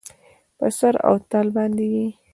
په سر او تال باندې یې